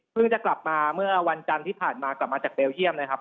เพิ่งจะกลับมาเมื่อวันจันทร์ที่ผ่านมาจากเบลเทียมนะครับ